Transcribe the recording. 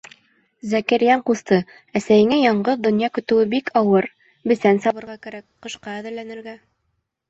Зәкирйән ҡусты, әсәйеңә яңғыҙ донъя көтөүе бик ауыр... бесән сабырға кәрәк, ҡышҡа әҙерләнергә.